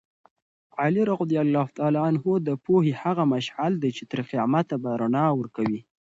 علي رض د پوهې هغه مشعل دی چې تر قیامته به رڼا ورکوي.